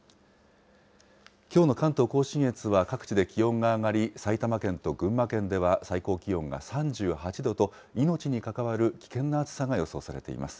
きょうの関東甲信越は各地で気温が上がり、埼玉県と群馬県では最高気温が３８度と、命に関わる危険な暑さが予想されています。